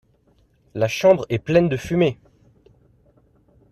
La chambre est pleine de fumée!